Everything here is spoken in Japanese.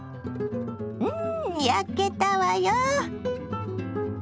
うん焼けたわよ！